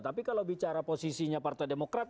tapi kalau bicara posisinya partai demokrat